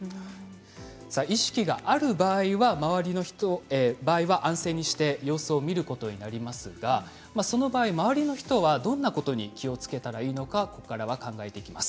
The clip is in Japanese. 意識がある場合は安静にしていることになりますがその場合も周りの人はどんなことに気をつけたらいいのか考えていきます。